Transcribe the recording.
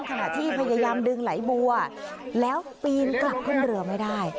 ขณะที่พยายามดึงไหลบัวแล้วปีนกลับขึ้นเรือไม่ได้